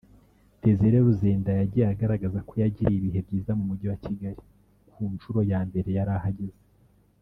Desire Luzinda yagiye agaragaza ko yagiriye ibihe byiza mu Mujyi wa Kigali ku nshuro ya mbere yari ahageze